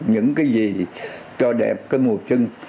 những cái gì cho đẹp cái mùa trưng